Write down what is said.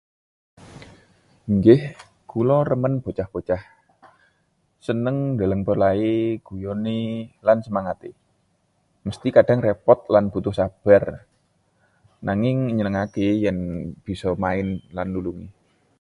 Inggih, kula remen bocah-bocah. Seneng ndeleng polahé, guyoné, lan semangaté. Mesthi kadhang repot lan butuh sabar, nanging nyenengaké yèn bisa main lan nulungi.